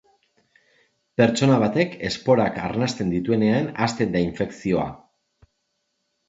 Pertsona batek esporak arnasten dituenean hasten da infekzioa.